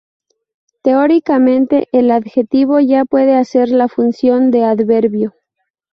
Teóricamente el adjetivo ya puede hacer la función de adverbio.